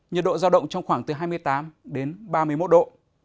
nhiệt độ giao động trong khoảng từ hai mươi tám đến ba mươi một độ